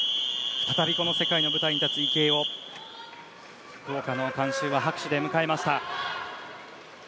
再び世界の舞台に立つ池江を福岡の観衆は拍手で迎えました。